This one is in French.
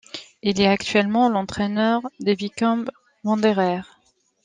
Il est actuellement l'entraîneur des Wycombe Wanderers.